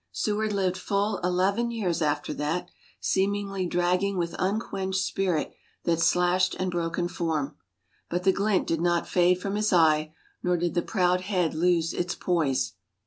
Seward lived full eleven years after that, seemingly dragging with unquenched spirit that slashed and broken form. But the glint did not fade from his eye, nor did the proud head lose its poise.